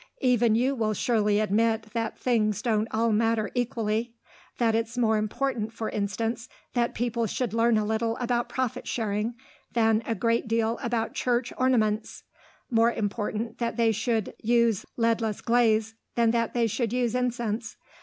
Even you will surely admit that things don't all matter equally that it's more important, for instance, that people should learn a little about profit sharing than a great deal about church ornaments; more important that they should use leadless glaze than that they should use incense.